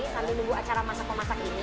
sambil nunggu acara masak memasak ini